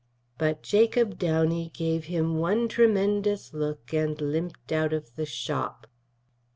But Jacob Downey gave him one tremendous look and limped out of the shop.